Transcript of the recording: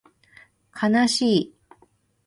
かなしい